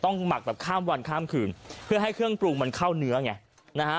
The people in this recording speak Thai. หมักแบบข้ามวันข้ามคืนเพื่อให้เครื่องปรุงมันเข้าเนื้อไงนะฮะ